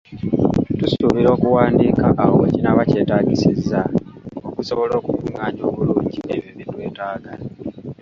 Tusuubira okuwandiika awo wekinaaba kyetaagisizza okusobola okukungaanya obulungi ebyo bye twetaaga.